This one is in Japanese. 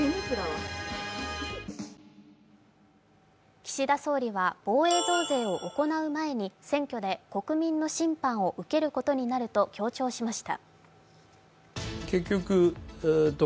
岸田総理は防衛増税を行う前に選挙で国民の審判を受けることになると強調しました。